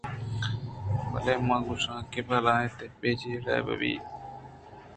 بلے من گوٛشاں کہ بلاہیں تبد ءُ چاہڑے بئیت